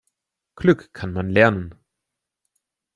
Glück kann man lernen.